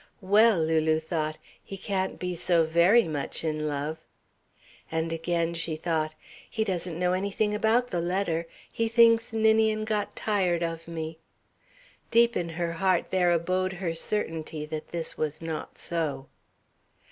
"Well!" Lulu thought. "He can't be so very much in love." And again she thought: "He doesn't know anything about the letter. He thinks Ninian got tired of me." Deep in her heart there abode her certainty that this was not so.